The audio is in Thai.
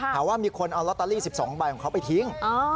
หาว่ามีคนเอาลอตเตอรี่๑๒ใบของเขาไปทิ้ง